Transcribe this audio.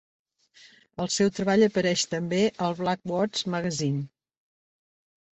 El seu treball apareix també al "Blackwood's Magazine".